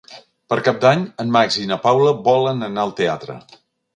Per Cap d'Any en Max i na Paula volen anar al teatre.